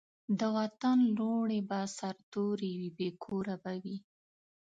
د وطن لوڼي به سرتوري وي بې کوره به وي